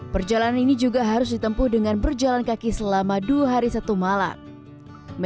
perjalanan ini juga harus ditempuh dengan berjalan kaki selama dua hari satu malam